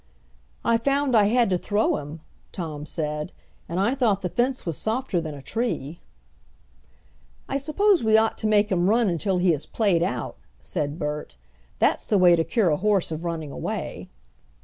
"I found I had to throw him," Tom said, "and I thought the fence was softer than a tree." "I suppose we ought to make him run until he is played out," said Bert, "That's the way to cure a horse of running away."